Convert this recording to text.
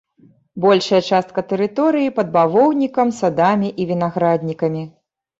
Большая частка тэрыторыі пад бавоўнікам, садамі і вінаграднікамі.